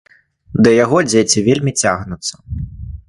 Да яго дзеці вельмі цягнуцца.